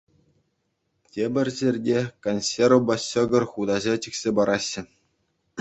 Тепӗр ҫӗрте консервӑпа ҫӑкӑра хутаҫа чиксе параҫҫӗ.